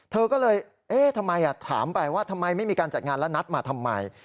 เธอก็เลยเอ๊ะทำไมถามไปว่าทำไมไม่มีการจัดงานแล้วนัดมาทำไม